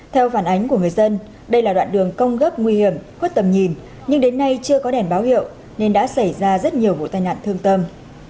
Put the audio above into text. theo phản ánh của người dân đây là đoạn đường công gốc nguy hiểm khuất tầm nhìn nhưng đến nay chưa có đèn báo hiệu nên đã xảy ra rất nhiều vụ tai nạn thương tâm